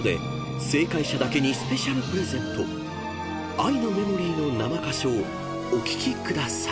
［『愛のメモリー』の生歌唱お聴きください］